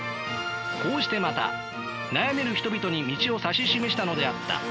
こうしてまた悩める人々に道を指し示したのであった。